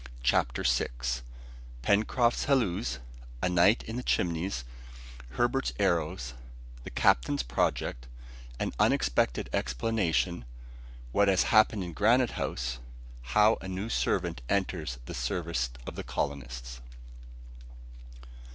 ] CHAPTER VI Pencroft's Halloos A Night in the Chimneys Herbert's Arrows The Captain's Project An unexpected Explanation What has happened in Granite House How a new Servant enters the Service of the Colonists.